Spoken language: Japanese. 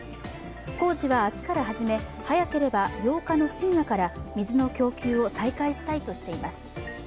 工事は明日から始め早ければ８日の深夜から水の供給を再開したいとしています。